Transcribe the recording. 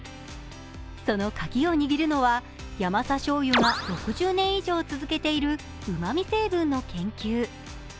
そのカギを握るのは、ヤマサ醤油が６０年以上続けているうまみ成分の研究。